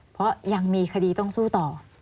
เพราะยังมีคดีต้องสู้ต่อ